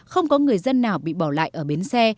không có người dân nào bị bỏ lại ở bến xe